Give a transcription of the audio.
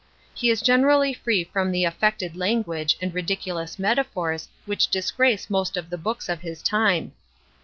He is generally free from the affected language and ridiculous metaphors which disgrace most of the books of his time.